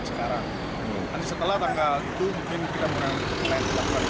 dan setelah tanggal itu mungkin kita mulai melakukan penyelidikan